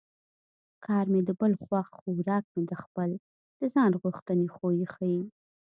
کار مې د بل خوښ خوراک مې خپل د ځان غوښتنې خوی ښيي